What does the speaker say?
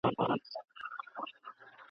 څنګه کولای سو د بېوزلۍ مخه ونیسو؟